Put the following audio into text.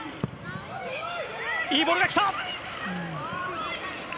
いいボールが来た！